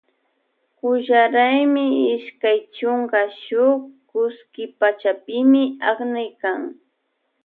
Kulla raymi ishkay chunka shuk kuski pachapimi aknaykan.